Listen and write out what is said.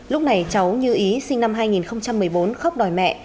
lúc này cháu như ý sinh năm hai nghìn một mươi bốn khóc đòi mẹ